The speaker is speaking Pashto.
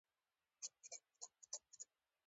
څغۍ مې هم در حساب کړه، چې ټول سامانونه مې جفت راځي.